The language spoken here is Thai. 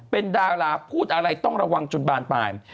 เป็นดาราพูดอะไรต้องระวังจนบานปลาย